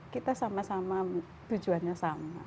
kita sama sama tujuannya sama